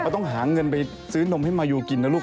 ต้องหาเงินไปซื้อนมให้มายูกินนะลูก